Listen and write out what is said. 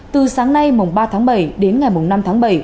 từ sáng nay mùng ba tháng bảy đến ngày năm tháng bảy